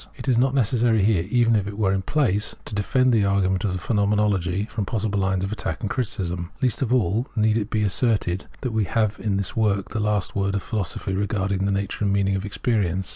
It is not necessary here, even if it were in place, to defend the argument of the Phenomenology from possible lines of attack and criticism. Least of all need it be asserted that we have in this work the last word of philosophy regarding the nature and meaning of experience.